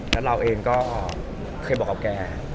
และเราเองก็เคยบอกของแก